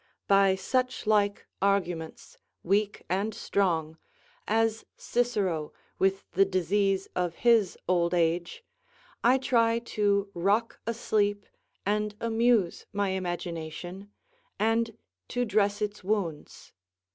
By suchlike arguments, weak and strong, as Cicero with the disease of his old age, I try to rock asleep and amuse my imagination, and to dress its wounds.